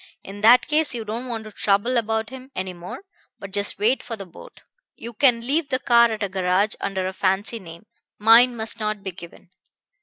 In that case you don't want to trouble about him any more, but just wait for the boat. You can leave the car at a garage under a fancy name mine must not be given.